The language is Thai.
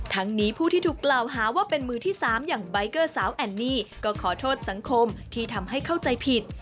ทั้งนี้ผู้ที่ถูกกล่าวหาว่าเป็นมือที่๓อย่างใบเกอร์สาวแอนนี่ก็ขอโทษสังคมที่ทำให้เข้าใจผิด